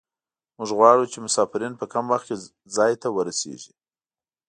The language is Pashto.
موږ غواړو چې مسافرین په کم وخت کې ځای ته ورسیږي